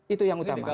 itu yang utama